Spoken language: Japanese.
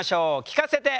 聞かせて！